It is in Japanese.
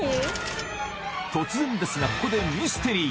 突然ですがここでミステリー